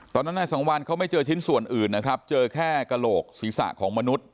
นายสังวันเขาไม่เจอชิ้นส่วนอื่นนะครับเจอแค่กระโหลกศีรษะของมนุษย์